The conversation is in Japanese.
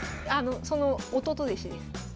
その弟弟子です。